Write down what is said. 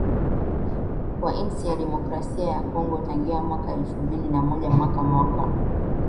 wa intsi ya demokrasia ya kongo tangiya mwaka elfu mbili na moja mpaka mwaka